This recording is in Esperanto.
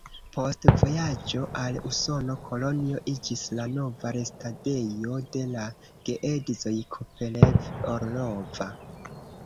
Post vojaĝo al Usono, Kolonjo iĝis la nova restadejo de la geedzoj Kopelev-Orlova.